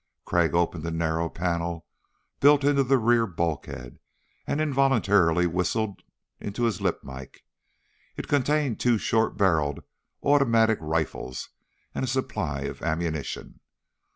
Crag opened a narrow panel built into the rear bulkhead and involuntarily whistled into his lip mike. It contained two short barreled automatic rifles and a supply of ammunition.